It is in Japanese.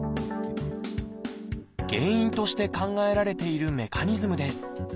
原因として考えられているメカニズムです